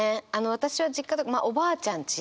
私は実家まあおばあちゃんち。